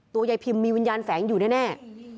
ยายพิมมีวิญญาณแฝงอยู่แน่